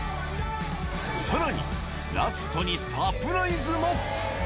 さらに、ラストにサプライズも。